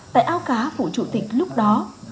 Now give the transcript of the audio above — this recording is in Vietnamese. tại áo cá phủ chủ tịch lúc đó